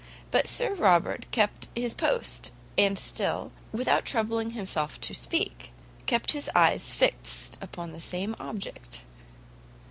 But Sir Robert still kept his post, and still, without troubling himself to speak, kept his eyes fixed upon the same object.